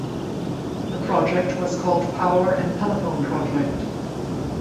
The project was called Power and Telephone Project.